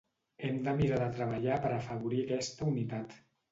Hem de mirar de treballar per afavorir aquesta unitat.